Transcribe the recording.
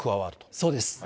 そうです。